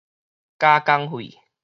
加工費